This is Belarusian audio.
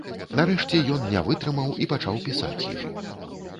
Нарэшце ён не вытрымаў і пачаў пісаць ёй.